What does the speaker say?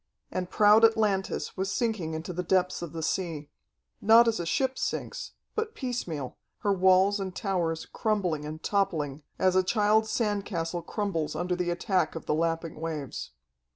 And proud Atlantis was sinking into the depths of the sea.... Not as a ship sinks, but piecemeal, her walls and towers crumbling and toppling as a child's sand castle crumbles under the attack of the lapping waves.